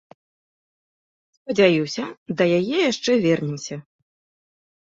Спадзяюся, да яе яшчэ вернемся.